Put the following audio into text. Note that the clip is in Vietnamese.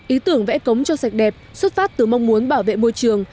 ý tưởng vẽ cống cho sạch đẹp xuất phát từ mong muốn bảo vệ môi trường